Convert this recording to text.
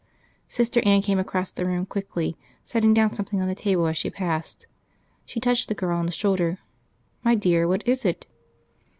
Sister Anne came across the room quickly, setting down something on the table as she passed. She touched the girl on the shoulder. "My dear, what is it?"